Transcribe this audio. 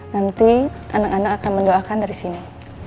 nanti anak anak akan mendoakan dari sini